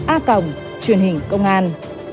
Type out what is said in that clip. a còng truyền hình công an